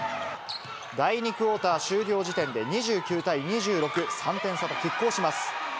第２クオーター終了時点で２９対２６、３点差ときっ抗します。